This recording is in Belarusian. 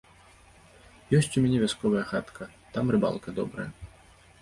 Ёсць у мяне вясковая хатка, там рыбалка добрая.